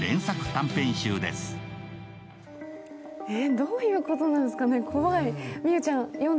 どういうことなんですかね、怖い。